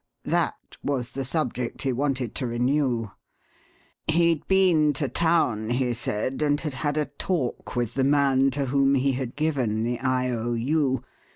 "That was the subject he wanted to renew. He'd been to town, he said, and had had a talk with the man to whom he had given the I. O. U.